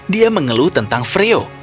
dia mengeluh tentang freo